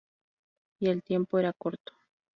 Y el tiempo era corto.